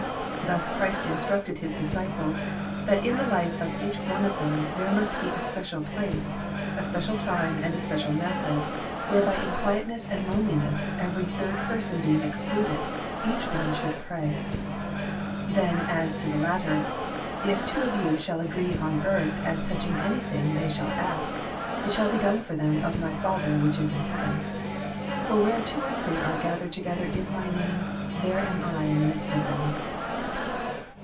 Thus Christ instructed His disciples that in the life of each one of them there must be a special place, a special time and a special THE PEACTICE OF PEAYEK 107 method, whereby in quietness and loneliness, every third person being excluded, each one should pray. Then as to the latter, " If two of you shall agree on earth as touching anything they shall ask, it shall be done for them of My Father which is in heaven. For where two or three are gathered together in My name, there am I in the midst of them."